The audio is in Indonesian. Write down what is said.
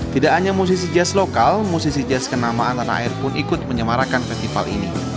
tidak hanya musisi jazz lokal musisi jazz kenamaan tanah air pun ikut menyemarakan festival ini